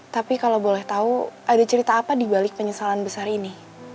tapi kalau boleh tahu ada cerita apa dibalik penyesalan besar ini